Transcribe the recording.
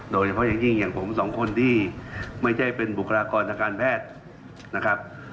โดยเฉพาะอย่างยิ่งอย่างผมสองคนที่ไม่ใช่เป็นบุคลากรทางการแพทย์นะครับ